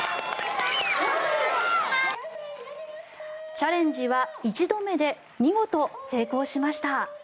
チャレンジは１度目で見事成功しました。